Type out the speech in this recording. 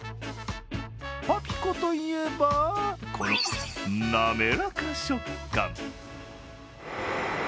パピコといえば、この滑らか食感。